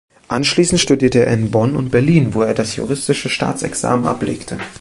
Anschließend studierte er in Bonn und Berlin, wo er das Juristische Staatsexamen ablegte.